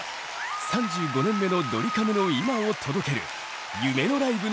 ３５年目のドリカムの今を届ける夢のライブの始まりです。